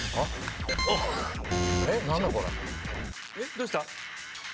どうした？